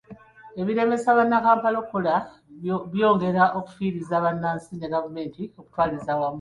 Ebiremesa bannakampala okukola byongera okufiiriza bannansi ne gavumenti okutwaliza awamu.